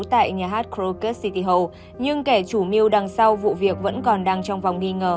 tại nhà hát kronkert city hall nhưng kẻ trùng niêu đằng sau vụ việc vẫn còn đang trong vòng nghi ngờ